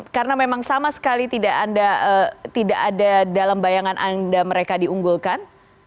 karena memang sama sekali tidak ada dalam bayangan anda mereka diunggulkan